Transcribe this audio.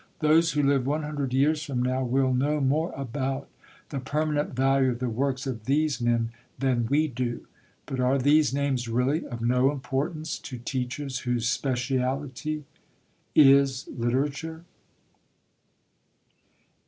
Those who live one hundred years from now will know more about the permanent value of the works of these men than we do; but are these names really of no importance to teachers whose speciality is literature?